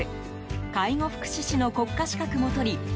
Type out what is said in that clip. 介護福祉士の国家資格も取り